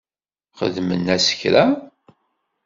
Xedmen-as kra?